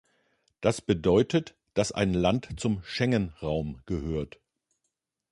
Das bedeutet, dass ein Land zum Schengen-Raum gehört.